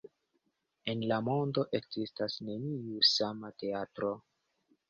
En la mondo ekzistas neniu sama teatro.